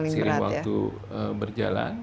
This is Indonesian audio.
sering waktu berjalan